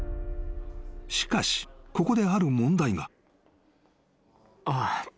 ［しかしここである問題が］